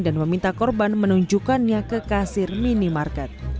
dan meminta korban menunjukkannya ke kasir minimarket